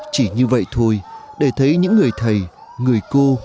chỉ như vậy thôi để thấy những người thầy người cô